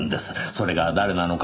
それが誰なのか